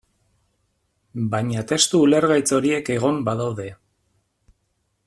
Baina testu ulergaitz horiek egon badaude.